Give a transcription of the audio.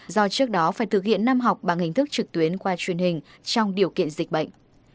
do trước đó phải thực hiện năm học bằng hình thức trực tuyến qua truyền hình trong điều kiện dịch bệnh